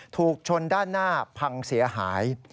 ถูกชนด้านหน้าพังเสียหาย